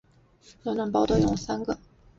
暖暖包都用了三个